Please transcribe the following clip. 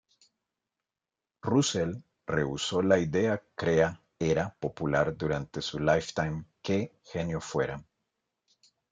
Russell rehusó la idea crea era popular durante su lifetime que, "genio fuera.